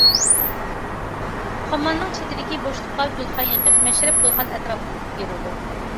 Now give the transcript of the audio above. خاماننىڭ چېتىدىكى بوشلۇققا گۈلخان يېقىلىپ، مەشرەپ گۈلخان ئەتراپىدا ئېلىپ بېرىلىدۇ.